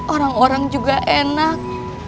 orang orang juga enak